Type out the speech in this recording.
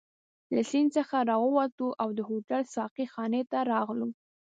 له سیند څخه راووتو او د هوټل ساقي خانې ته راغلو.